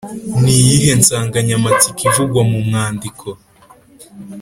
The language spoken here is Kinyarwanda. Ni iyihe nsanganyamatsiko ivugwa mu mwandiko?